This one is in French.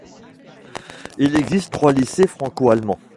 Il existe trois lycées franco-allemands.